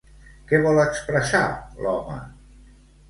Què vol expressar l'home?